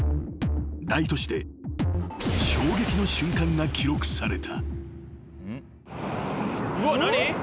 大都市で衝撃の瞬間が記録された］